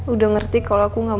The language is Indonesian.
udah ngerti kalau aku gak mau